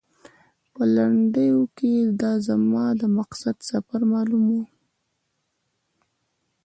په لنډو کې دا زما د مقدس سفر معلومات و.